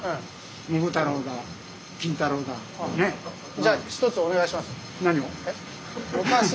じゃあ一つお願いします。